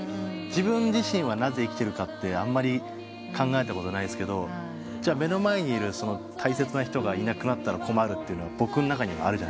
自分自身はなぜ生きてるかってあんまり考えたことないっすけど目の前にいる大切な人がいなくなったら困るって僕の中にはある。